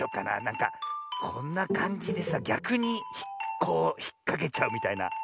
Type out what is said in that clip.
なんかこんなかんじでさぎゃくにこうひっかけちゃうみたいな。